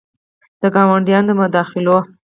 د ګاونډیانو د مداخلو